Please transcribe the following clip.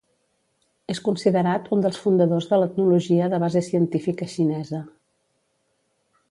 És considerat un dels fundadors de l'etnologia de base científica xinesa.